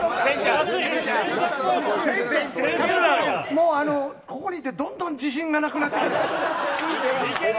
もうあの、ここにいてどんどん自信がなくなってくる。